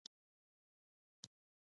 آیا چنې وهل د دوی عادت نه دی؟